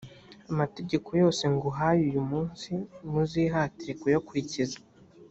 amategeko yose nguhaye uyu munsi muzihatire kuyakurikiza